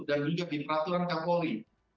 dan juga di peraturan kaporri